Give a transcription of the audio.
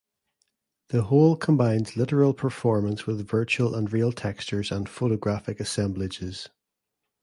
The whole combines literal performance with virtual and real textures and photographic assemblages.